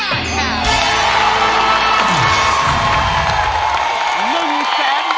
๑แสนบาทครับ